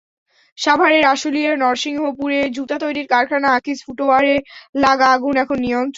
সাভারের আশুলিয়ার নরসিংহপুরে জুতা তৈরির কারখানা আকিজ ফুটওয়্যারে লাগা আগুন এখন নিয়ন্ত্রণে।